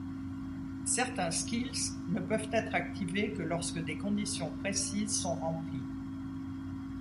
Certains skills ne peuvent être activés que lorsque des conditions précises sont remplies.